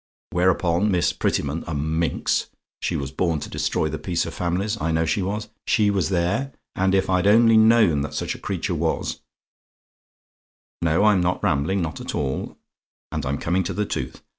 Whereupon, Miss Prettyman a minx! she was born to destroy the peace of families, I know she was: she was there; and if I'd only known that such a creature was no I'm not rambling, not at all, and I'm coming to the tooth.